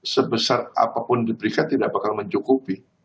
sebesar apapun diberikan tidak bakal mencukupi